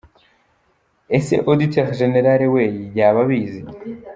Ese Auditor General we yababizi !!!!.